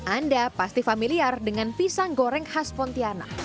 anda pasti familiar dengan pisang goreng khas pontianak